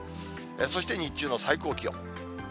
そして日中の最高気温。